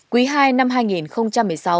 quý hai năm hai nghìn một mươi sáu